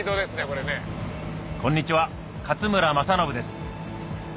こんにちは勝村政信です